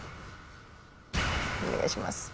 お願いします。